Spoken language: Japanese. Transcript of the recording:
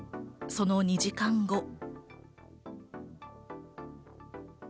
その２時間後。